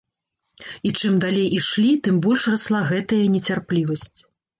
І чым далей ішлі, тым больш расла гэтая нецярплівасць.